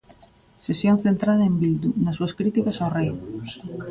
Sesión centrada en Bildu, nas súas críticas ao Rei...